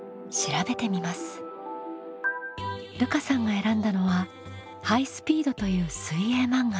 るかさんが選んだのは「ハイ☆スピード！」という水泳漫画。